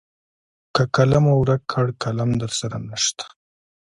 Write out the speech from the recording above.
که قلم مو ورک کړ قلم درسره نشته .